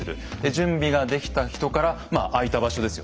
準備ができた人からまあ空いた場所ですよね